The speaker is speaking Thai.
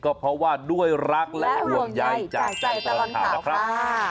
ก็เพราะว่าด้วยรักและห่วงใยจากใจตลอดข่าวนะครับ